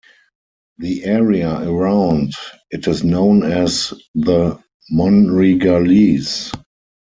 The area around it is known as the Monregalese.